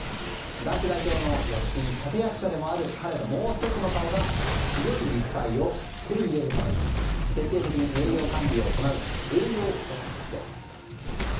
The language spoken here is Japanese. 男子代表の躍進の立役者でもある彼のもう１つの顔が強い肉体を手に入れるため徹底的に栄養管理を行う栄養オタクです。